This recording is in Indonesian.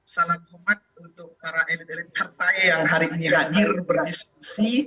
salam homat untuk para elit elit partai yang hari ini hadir berdiskusi